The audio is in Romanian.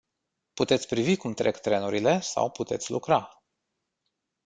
Puteți privi cum trec trenurile sau puteți lucra.